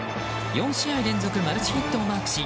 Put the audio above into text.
４試合連続マルチヒットをマークし